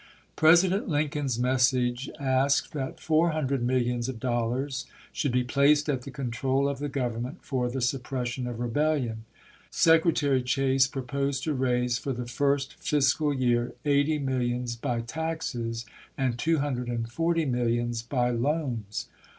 President Lincoln's message asked that four hun dred millions of dollars should be placed at the control of the Government for the suppression of rebellion. Secretary Chase proposed to raise for the first fiscal year eighty millions by taxes and two hundred and forty millions by loans.